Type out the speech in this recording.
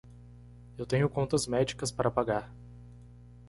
Eu tenho contas médicas para pagar.